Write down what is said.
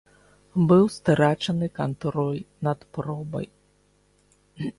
Быў страчаны кантроль над пробай.